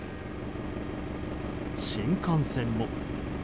新幹線も。